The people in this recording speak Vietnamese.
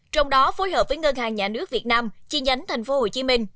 trong đó phối hợp với ngân hàng nhà nước việt nam chi nhánh tp hcm